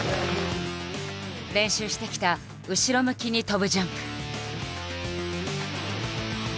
練習してきた後ろ向きに跳ぶジャンプ。